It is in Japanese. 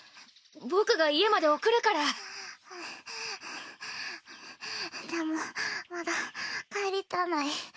僕が家まで送るからはぁはぁはぁでもまだ帰りたない。